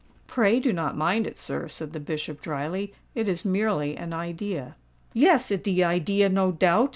"Pray do not mind it, sir," said the Bishop, drily: "it is merely an idea." "Yes—it de idea, no doubt!"